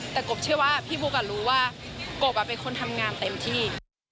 แต่ก๊อปเชื่อว่าพี่บุ๊คอ่ะรู้ว่าก๊อปอ่ะเป็นคนทำงานเต็มที่